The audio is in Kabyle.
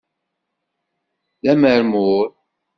D amermur!